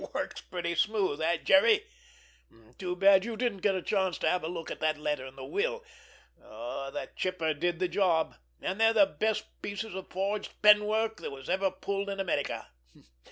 Works pretty smooth, eh, Jerry? Too bad you didn't get a chance to have a look at that letter and the will! The Chipper did the job, and they're the best pieces of forged penwork that were ever pulled in America!